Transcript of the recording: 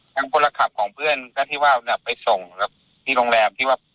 คนละขับของเพื่อนก็ที่ว่าเนี่ยไปส่งกับที่โรงแรมที่ว่า